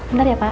bentar ya pak